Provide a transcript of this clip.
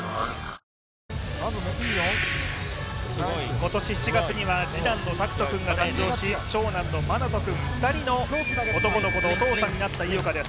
今年７月には次男の大空翔君が誕生し長男の磨永翔君、２人の男の子のお父さんになった井岡です。